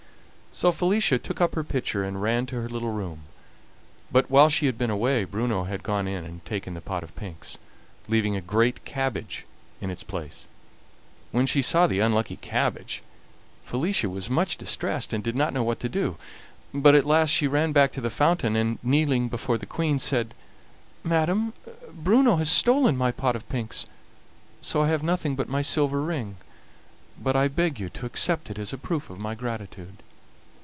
So Felicia took up her pitcher and ran to her little room, but while she had been away Bruno had gone in and taken the pot of pinks, leaving a great cabbage in its place. When she saw the unlucky cabbage Felicia was much distressed, and did not know what to do; but at last she ran back to the fountain, and, kneeling before the Queen, said: "Madam, Bruno has stolen my pot of pinks, so I have nothing but my silver ring; but I beg you to accept it as a proof of my gratitude."